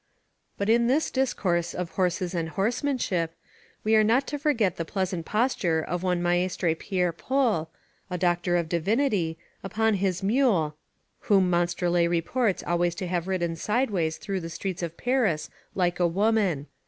But in this discourse of horses and horsemanship, we are not to forget the pleasant posture of one Maistre Pierre Pol, a doctor of divinity, upon his mule, whom Monstrelet reports always to have ridden sideways through the streets of Paris like a woman.